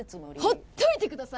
放っといてください！